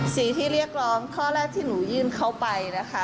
สิ่งที่เรียกร้องข้อแรกที่หนูยื่นเขาไปนะคะ